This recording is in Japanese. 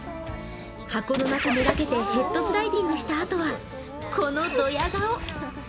箱の中めがけてヘッドスライディングしたあとはこのどや顔。